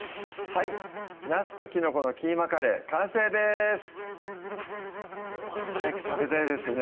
はい「なすときのこのキーマカレー」完成です早く食べたいですね